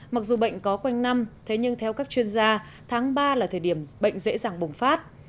mặc dù bệnh có quanh năm thế nhưng theo các chuyên gia tháng ba là thời điểm bệnh dễ dàng bùng phát